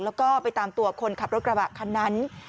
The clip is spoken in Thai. แล้วก็ไปตามตัวคนขับรถกระบะคันนั้น